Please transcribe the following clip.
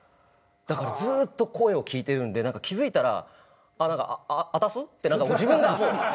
だからずっと声を聞いてるんで気付いたら「あたす？」って自分がもう。